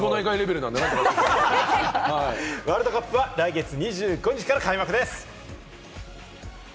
ワールドカップは来月２５日から開幕です。